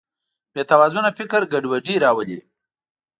بېتوازنه فکر ګډوډي راولي.